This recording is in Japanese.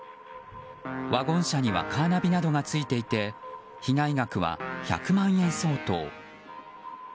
ワゴン車にはカーナビなどがついていて被害額は１００万円相当。